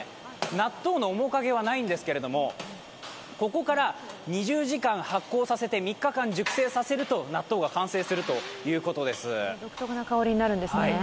納豆の面影はないんですけれどもここから２０時間発酵させて３日間熟成させると納豆が完成するということです。